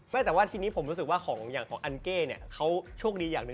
แต่ว่าทีนี้ผมรู้สึกว่าของอย่างของอันเก้เนี่ยเขาโชคดีอย่างหนึ่ง